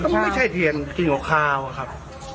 ก็ไม่ใช่เทียนกินของคาวอะครับ